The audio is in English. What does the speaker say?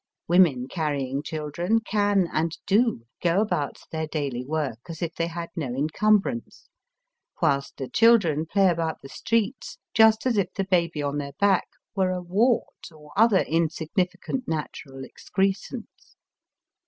Women carrying children can, and do, go about their daily work as if they had no incumbrance, whilst the children play about the streets just as if the baby on their back were a wart or other insig nificant natural excrescence.